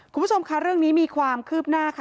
คุณผู้ชมค่ะเรื่องนี้มีความคืบหน้าค่ะ